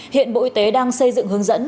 hiện bộ y tế đang xây dựng hướng dẫn